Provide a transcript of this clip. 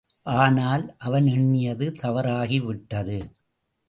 ஆனால், அவன் எண்ணியது தவறாகிவிட்டது.